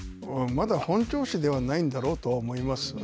まだ本調子ではないんだろうと思います。